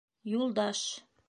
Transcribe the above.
Юлдаш: